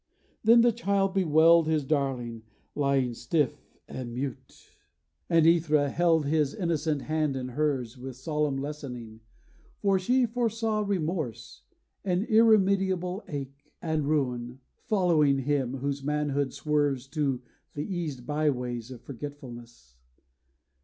Then the child Bewailed his darling, lying stiff and mute; And Æthra held his innocent hand in hers With solemn lessoning; for she foresaw Remorse, and irremediable ache, And ruin, following him whose manhood swerves To the eased byways of forgetfulness.